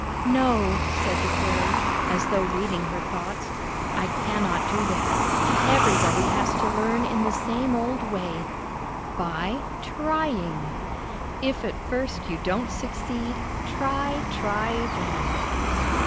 "No," said the fairy, as though reading her thoughts, "I cannot do that. Everybody has to learn in the same old way — ^by — trying —■' If at first you don't succeed, Try, try again.'